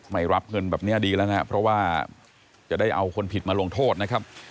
ไม่รับเงินแบบนี้ดีแล้วนะครับเพราะว่าจะได้เอาคนผิดมาลงโทษนะครับ